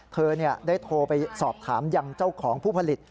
เธอได้โทรไปสอบถามยังเจ้าของผู้ผลิต